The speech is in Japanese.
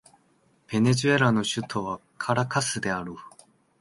ベネズエラの首都はカラカスである